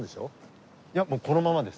いやもうこのままです。